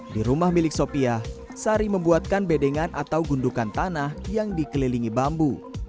di rumah milik sopiah sari membuatkan bedengan atau gundukan tanah yang dikelilingi bambu